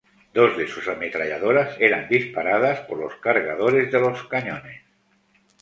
Dos de sus ametralladoras eran disparadas por los cargadores de los cañones.